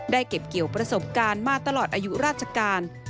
เก็บเกี่ยวประสบการณ์มาตลอดอายุราชการ